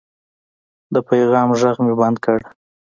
د پیغام غږ مې بند کړ.